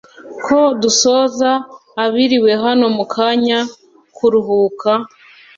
ko dusoza abiriwe hano mukajya kuruhuka